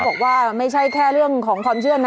บอกว่าไม่ใช่แค่เรื่องของความเชื่อนะ